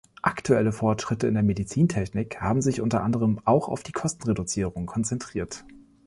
Aktuelle Fortschritte in der Medizintechnik haben sich unter anderem auch auf die Kostenreduzierung konzentriert.